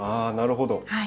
あなるほど。